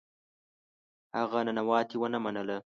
هغه ننواتې ونه منله.